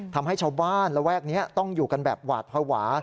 ทำให้ชาวบ้านระแวกนี้ต้องอยู่กันแบบหวาดภาวะ